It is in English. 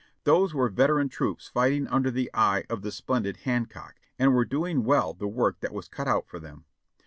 Those were veteran troops fighting under the eye of the splendid Hancock, and were doing well the work that was cut out for them.